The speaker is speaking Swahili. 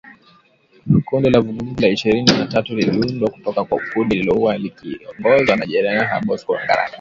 Kundi la Vuguvugu la Ishirini na tatu liliundwa kutoka kwa kundi lililokuwa likiongozwa na Jenerali Bosco Ntaganda